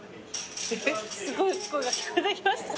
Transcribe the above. すごい声が聞こえてきましたね。